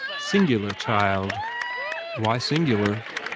Singular child!" "Why singular?"